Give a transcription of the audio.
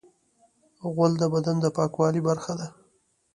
غول د بدن د پاکوالي برخه ده.